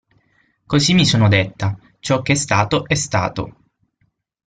Così mi sono detta: ciò che è stato, è stato.